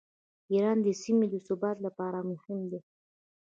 ایران د سیمې د ثبات لپاره مهم دی.